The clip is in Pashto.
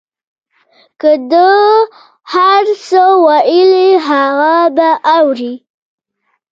که ده هر څه ویل هغه به اورې.